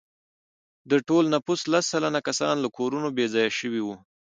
د ټول نفوس لس سلنه کسان له کورونو بې ځایه شوي وو.